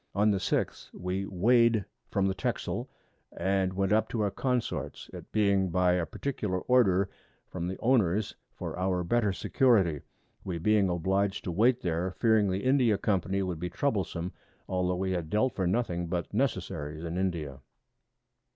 On the 6th we weigh'd from the Texel, and went up to our Consorts, it being by a particular Order from the Owners for our better Security; we being oblig'd to wait there, fearing the India Company would be troublesome, altho' we had dealt for nothing but Necessaries in India.